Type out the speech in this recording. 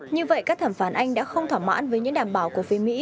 như vậy các thẩm phán anh đã không thỏa mãn với những đảm bảo của phía mỹ